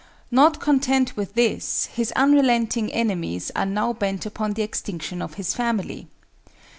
Not content with this, his unrelenting enemies are now bent upon the extinction of his family.